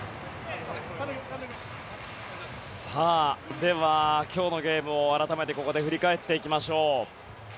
では、今日のゲームを改めてここで振り返っていきましょう。